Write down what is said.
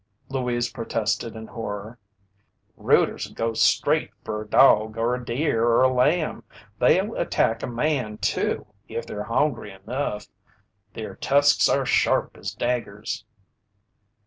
Louise protested in horror. "Rooters'll go straight fer a dog or a deer or a lamb. They'll attack a man too if they're hongry enough. Their tusks are sharp as daggers."